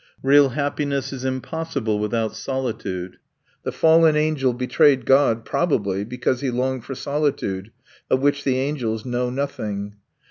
Real happiness is impossible without solitude. The fallen angel betrayed God probably because he longed for solitude, of which the angels know nothing.